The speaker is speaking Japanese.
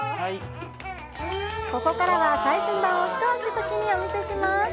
ここからは、最新版を一足先にお見せします。